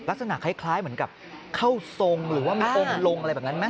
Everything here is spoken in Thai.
ลักษณะคล้ายเหมือนกับเข้าทรงหรือว่ามีองค์ลงอะไรแบบนั้นไหม